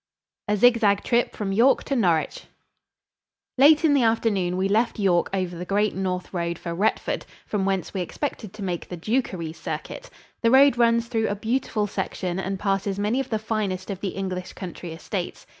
XIII A ZIG ZAG TRIP FROM YORK TO NORWICH Late in the afternoon we left York over the Great North Road for Retford, from whence we expected to make the "Dukeries" circuit. The road runs through a beautiful section and passes many of the finest of the English country estates.